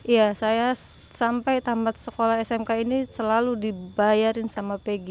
iya saya sampai tamat sekolah smk ini selalu dibayarin sama peggy